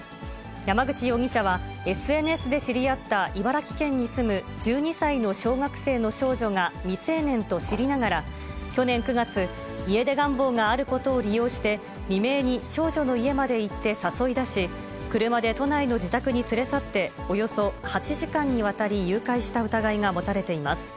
山口容疑者は、ＳＮＳで知り合った茨城県に住む１２歳の小学生の少女が未成年と知りながら、去年９月、家出願望があることを利用して、未明に少女の家まで行って誘い出し、車で都内の自宅に連れ去って、およそ８時間にわたり誘拐した疑いが持たれています。